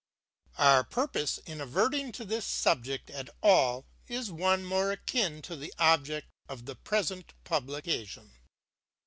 Our purpose in adverting to this subject at all is one more akin to the object of the present publication.